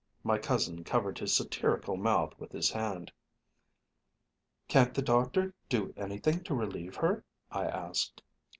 My cousin covered his satirical mouth with his hand. "Can't the doctor do anything to relieve her?" I asked.